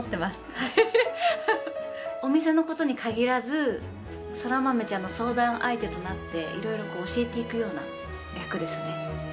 はいお店のことにかぎらず空豆ちゃんの相談相手となって色々教えていくような役ですね